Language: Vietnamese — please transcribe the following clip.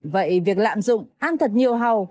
vậy việc lạm dụng ăn thật nhiều hầu